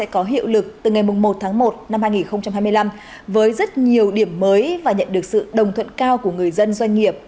có hiệu lực từ ngày một tháng một năm hai nghìn hai mươi năm với rất nhiều điểm mới và nhận được sự đồng thuận cao của người dân doanh nghiệp